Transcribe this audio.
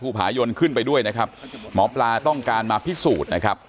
ผายนขึ้นไปด้วยนะครับหมอปลาต้องการมาพิสูจน์นะครับ